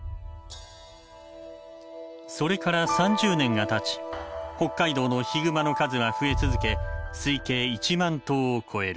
それから３０年がたち北海道のヒグマの数は増え続け推計１万頭を超える。